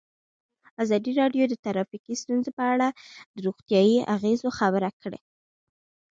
ازادي راډیو د ټرافیکي ستونزې په اړه د روغتیایي اغېزو خبره کړې.